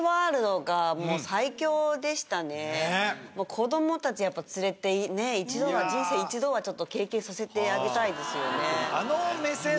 子供たちやっぱ連れて一度は人生一度は経験させてあげたいですよね